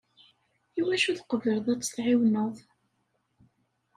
Iwacu tqebleḍ ad tt-teɛiwneḍ?